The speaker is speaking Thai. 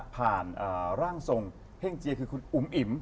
ร่างทรงเพ่งเจียคือคุณอุ๋มอิ๋ม